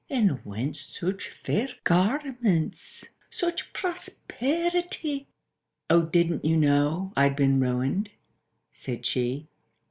And whence such fair garments, such prosperi ty?"— "O didn't you know I'd been ruined?" said she.